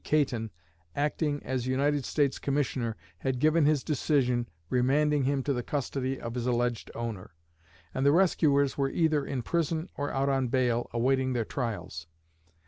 Caton, acting as United States Commissioner, had given his decision remanding him to the custody of his alleged owner; and the rescuers were either in prison or out on bail, awaiting their trials.